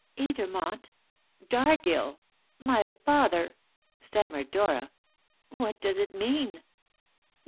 "Edermont Dargill my father!" stammered Dora. "What does it mean?"